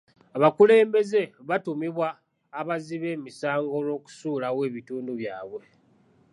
Abakulembeze baatuumibwa abazzi b'emisango olw'okusuulawo ebitundu byabwe.